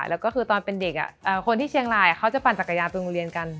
แล้วก็คือตอนเป็นเด็กคนที่เชียงรายเขาจะปั่นจักรยานไปโรงเรียนกัน